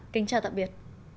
kính chào tạm biệt